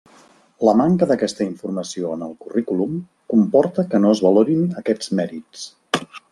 La manca d'aquesta informació en el currículum comporta que no es valorin aquests mèrits.